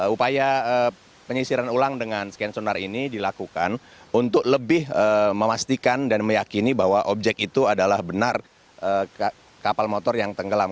upaya penyisiran ulang dengan scan sonar ini dilakukan untuk lebih memastikan dan meyakini bahwa objek itu adalah benar kapal motor yang tenggelam